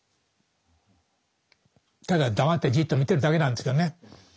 ただ黙ってじっと見てるだけなんですけどね。